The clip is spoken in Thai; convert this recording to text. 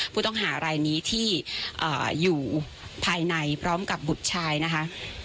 ผู้ต้องหารายนี้ที่อยู่ภายในพร้อมกับบุตรชายนะคะ